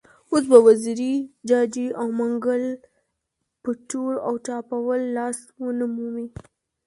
اوس به وزیري، جاجي او منګل په چور او چپاول لاس ونه مومي.